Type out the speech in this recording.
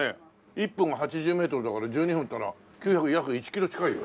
１分が８０メートルだから１２分っていったら９００約１キロ近いよ。